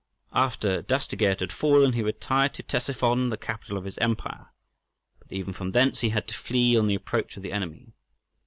After Dastagerd had fallen he retired to Ctesiphon, the capital of his empire, but even from thence he had to flee on the approach of the enemy.